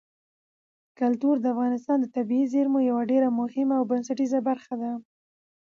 کلتور د افغانستان د طبیعي زیرمو یوه ډېره مهمه او بنسټیزه برخه ده.